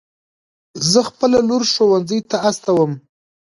زه خپله لور ښوونځي ته استوم